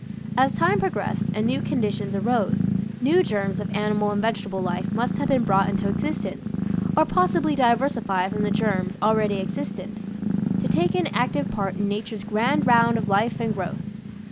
As time progressed and new conditions arose, new germs of animal and vegetable life must have been brought into existence, or pos sibly diversified from the germs already ex istent, to take an active part in nature's grand round of life and growth.